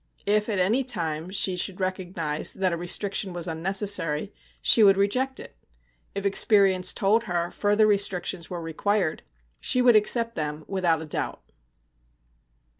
If at any time she should recognise that a restriction was unnecessary, she would reject it. If experience told her further restrictions were required, she would accept them without a doubt.